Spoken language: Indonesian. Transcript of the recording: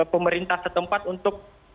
pemerintah setempat untuk